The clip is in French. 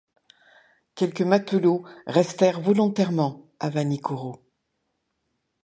Quelques matelots restèrent volontairement à Vanikoro.